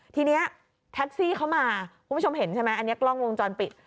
ทีนี้แท็กซี่เขามาคุณผู้ชมเห็นใช่ไหมอันนี้กล้องวงจรปิด